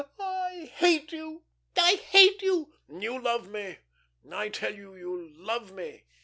Ah, I hate you! I hate you!" "You love me! I tell you, you love me!"